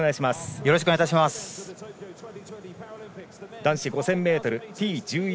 男子５０００ｍＴ１１